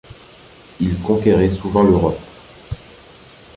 Ils conquéraient souvent l’Europe